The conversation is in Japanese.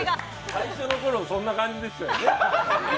最初の頃、そんな感じでしたよね？